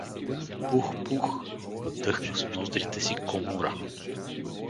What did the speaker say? „Пух! пух!“ — дъхна с ноздрите си Комура.